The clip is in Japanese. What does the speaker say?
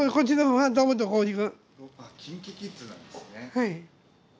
はい。